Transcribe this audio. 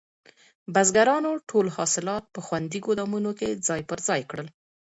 بزګرانو ټول حاصلات په خوندي ګودامونو کې ځای پر ځای کړل.